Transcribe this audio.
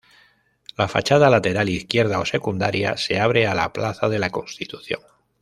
La fachada lateral izquierda o secundaria, se abre a la plaza de la Constitución.